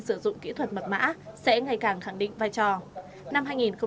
sử dụng kỹ thuật mật mã sẽ ngày càng khẳng định vai trò